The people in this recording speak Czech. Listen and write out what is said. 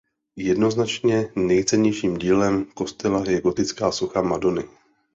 Jednoznačně nejcennějším dílem kostela je gotická socha Madony.